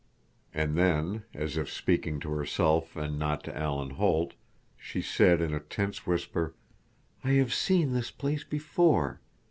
And then, as if speaking to herself and not to Alan Holt, she said in a tense whisper: "I have seen this place before.